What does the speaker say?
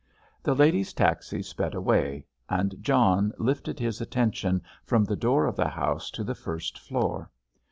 The lady's taxi sped away, and John lifted his attention from the door of the house to the first floor.